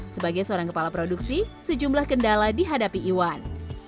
sebagai seorang kepala produksi sejumlah kendala dihadapi iwan